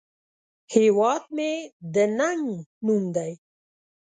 هیواد مې د ننگ نوم دی